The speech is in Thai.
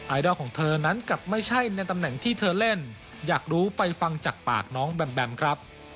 ไอดอลของเธอนั้นกลับไม่ใช่ในตำแหน่งที่เธอเล่นอยากรู้ไปฟังจากปากน้องแบมแบมครับ